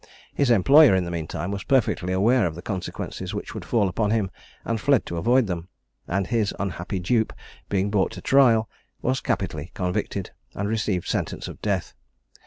His employer, in the mean time, was perfectly aware of the consequences which would fall upon him, and fled to avoid them; and his unhappy dupe being brought to trial, was capitally convicted, and received sentence of death.